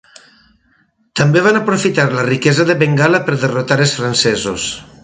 També van aprofitar la riquesa de Bengala per derrotar els francesos.